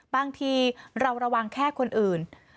บางทีเราระวังแค่คนอื่น